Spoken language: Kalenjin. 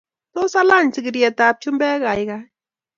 Tos, alany sigiryetab chumbek, gaigai?